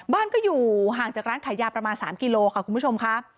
บ้านก็อยู่ห่างจากร้านขายยาประมาณ๓กิโลค่ะคุณผู้ชมค่ะ